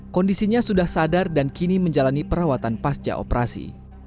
kondisinya sudah sadar dan kini menjalani perawatan pasca operasi